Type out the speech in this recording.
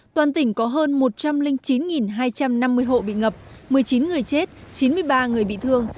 toàn tỉnh có hơn một trăm linh chín hai trăm năm mươi hộ bị ngập một mươi chín người chết chín mươi ba người bị thương